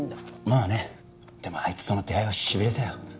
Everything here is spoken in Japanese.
あねでもあいつとの出会いはしびれたよ